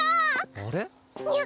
あれ？